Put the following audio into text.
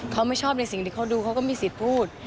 เขาไม่ชอบในสิ่งที่เขาดูเขาก็มีสิทธิ์พูด